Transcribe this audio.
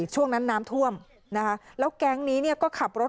ช่วงนั้นน้ำท่วมแล้วแก๊งนี้ก็ขับรถ